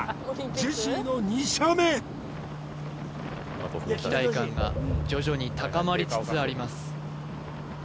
ジェシーの２射目期待感が徐々に高まりつつあります